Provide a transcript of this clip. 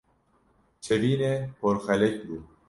Şevînê porxelek bû.